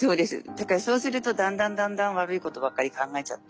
だからそうするとだんだんだんだん悪いことばっかり考えちゃって。